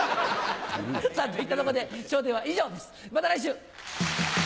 さぁといったところで『笑点』は以上ですまた来週！